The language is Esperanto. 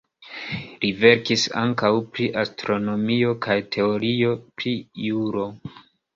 Li verkis ankaŭ pri astronomio kaj teorio pri juro.